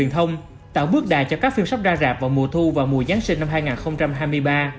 tạo bước đà cho các phim sắp ra rạp vào mùa thu và mùa giáng sinh năm hai nghìn hai mươi ba